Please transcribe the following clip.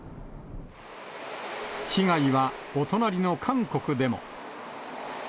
被害はお隣の韓国でも。